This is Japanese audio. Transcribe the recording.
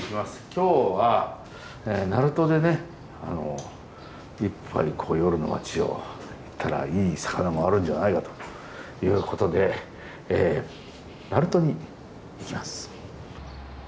今日は鳴門でね１杯夜の街を行ったらいい魚もあるんじゃないかということで鳴門に行きます。